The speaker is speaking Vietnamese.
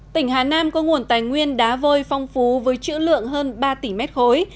tỉnh hà nam có nguồn tài nguyên đá vôi phong phú với chữ lượng hơn ba tỷ mét khối